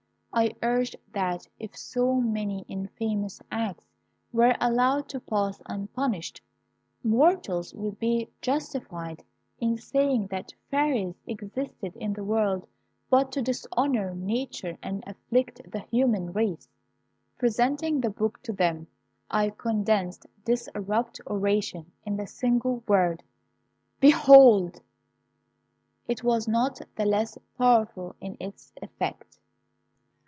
I urged that if so many infamous acts were allowed to pass unpunished, mortals would be justified in saying that fairies existed in the world but to dishonour nature and afflict the human race. Presenting the book to them, I condensed this abrupt oration in the single word "Behold!" It was not the less powerful in its effect.